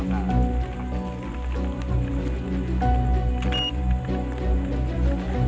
dari sumber suara